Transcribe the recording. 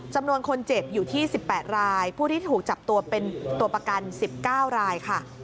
จำนวนคนเจ็บอยู่ที่๑๘รายผู้ที่ถูกจับตัวเป็นตัวประกัน๑๙รายค่ะ